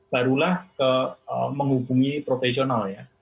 barulah menghubungi profesional ya